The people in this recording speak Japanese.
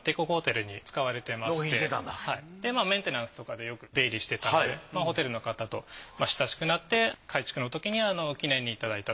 はいでメンテナンスとかでよく出入りしてたんでホテルの方と親しくなって改築のときに記念にいただいた。